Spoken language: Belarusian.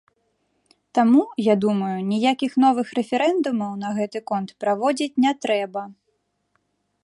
Таму, я думаю, ніякіх новых рэферэндумаў на гэты конт праводзіць не трэба.